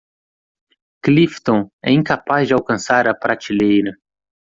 Clifton é incapaz de alcançar a prateleira.